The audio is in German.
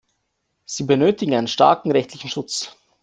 Sie benötigen einen starken rechtlichen Schutz.